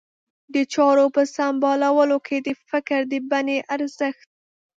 د چارو په سمبالولو کې د فکر د بڼې ارزښت.